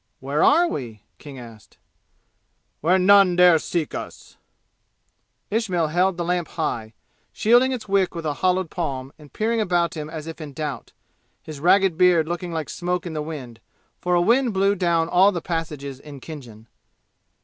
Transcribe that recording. "Where are we?" King asked. "Where none dare seek us." Ismail held the lamp high, shielding its wick with a hollowed palm and peering about him as if in doubt, his ragged beard looking like smoke in the wind; for a wind blew down all the passages in Khinjan.